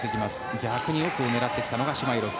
逆によく狙ってきたのがシュマイロフ。